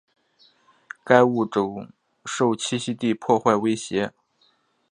该物种受栖息地破坏威胁。